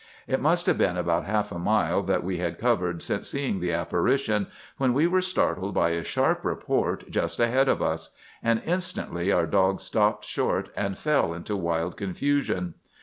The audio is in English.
"It must have been about half a mile that we had covered since seeing the apparition, when we were startled by a sharp report just ahead of us; and instantly our dogs stopped short and fell into wild confusion.